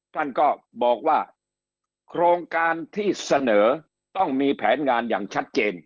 ท่านก็บอกว่าโครงการที่เสนอต้องมีแผนงานอย่างชัดเจน